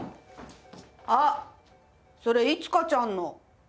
あっそれいつかちゃんの。